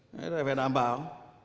đấy là phải đảm bảo